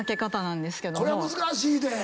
これは難しいで。